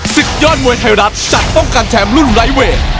ศึกยอดมวยไทยรัฐจะป้องกันแชมป์รุ่นไร้เวท